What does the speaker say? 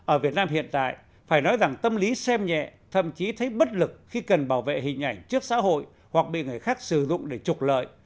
ở việt nam hiện tại phải nói rằng tâm lý xem nhẹ thậm chí thấy bất lực khi cần bảo vệ hình ảnh trước xã hội hoặc bị người khác sử dụng để trục lợi